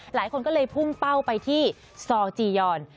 หลายคนก็เลยพุ่งเป้าไปที่ซอลจียอน